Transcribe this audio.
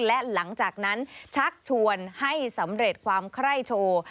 และหลังจากนั้นชักชวนให้สำเร็จความไคร้โชว์